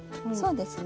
そうですね。